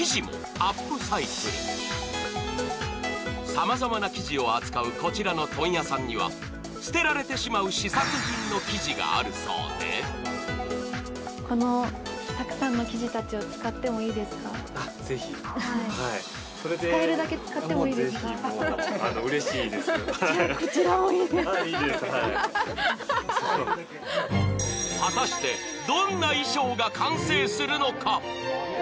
さまざまな生地を扱うこちらの問屋さんには捨てられてしまう試作品の生地があるそうで果たして、どんな衣装が完成するのか。